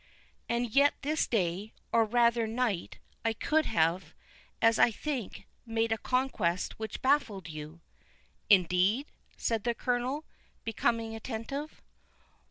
"And yet this day, or rather night, I could have, as I think, made a conquest which baffled you." "Indeed?" said the Colonel, becoming attentive.